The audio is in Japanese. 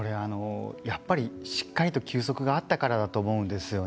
やっぱりしっかりと休息があったからだと思うんです。